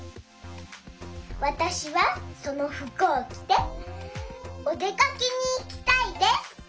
わたしはそのふくをきておでかけにいきたいです。